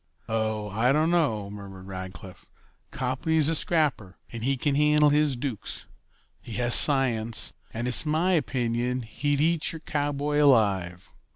"Oh, I don't know," murmured Rackliff. "Copley's a scrapper, and he can handle his dukes. He has science, and it's my opinion he'd eat your cowboy alive."